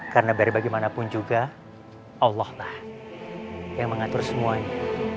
karena dari bagaimanapun juga allah lah yang mengatur semuanya